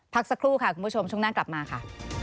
พักสักครู่ค่ะคุณผู้ชมช่วงหน้ากลับมาค่ะ